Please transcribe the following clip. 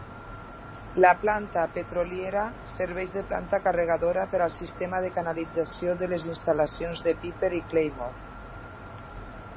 La planta petroliera serveix de planta carregadora per al sistema de canalització de les instal·lacions de Piper i Claymore.